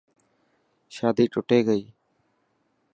شادي ٽٽي گئي.